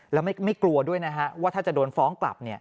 แล้วไม่กลัวด้วยนะฮะว่าถ้าจะโดนฟ้องกลับ